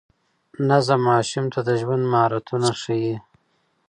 نظم ماشوم ته د ژوند مهارتونه ښيي.